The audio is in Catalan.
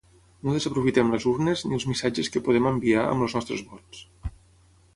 No desaprofitem les urnes, ni els missatges que podem enviar amb els nostres vots.